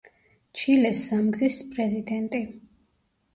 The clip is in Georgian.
ჩილეს სამგზის პრეზიდენტი.